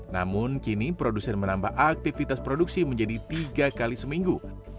namun kini produsen menambah aktivitas produksi menjadi tiga kali seminggu